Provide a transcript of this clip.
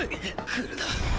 来るな。